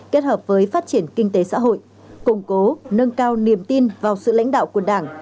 kết hợp với phát triển kinh tế xã hội củng cố nâng cao niềm tin vào sự lãnh đạo của đảng